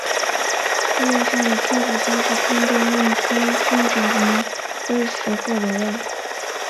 工业上的氢氟酸是通过用酸分解磷灰石获得的。